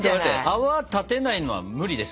泡立てないのは無理です！